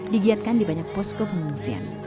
digiatkan di banyak posko pengungsian